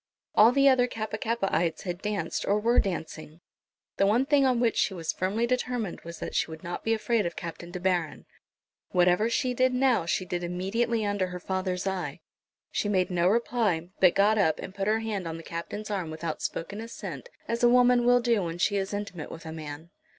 All the other Kappa kappaites had danced or were dancing. The one thing on which she was firmly determined was that she would not be afraid of Captain De Baron. Whatever she did now she did immediately under her father's eye. She made no reply, but got up and put her hand on the Captain's arm without spoken assent, as a woman will do when she is intimate with a man.